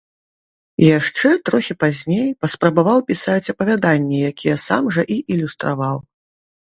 Яшчэ трохі пазней паспрабаваў пісаць апавяданні, якія сам жа і ілюстраваў.